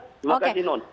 terima kasih non